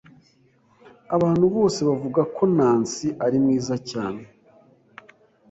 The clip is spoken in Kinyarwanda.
Abantu bose bavuga ko Nancy ari mwiza cyane.